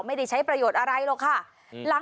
ไม่ได้ใช้ประโยชน์อะไรหรอกค่ะ